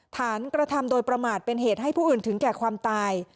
กระทำโดยประมาทเป็นเหตุให้ผู้อื่นถึงแก่ความตาย